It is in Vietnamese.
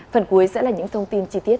phần cuối sẽ là những thông tin chi tiết